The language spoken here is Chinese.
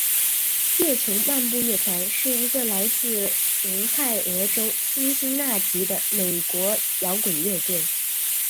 月球漫步乐团是一个来自俄亥俄州辛辛那提的美国摇滚乐队。